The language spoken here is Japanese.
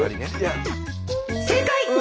正解！